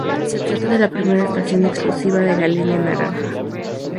Se trata de la primera estación exclusiva de la Línea Naranja.